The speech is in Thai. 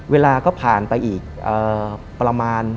เวลาก็ผ่านไปอีกประมาณ